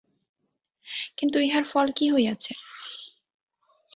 কিন্তু ইহার ফল কি হইয়াছে।